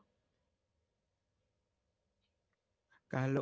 kalau untuk cek sendiri ini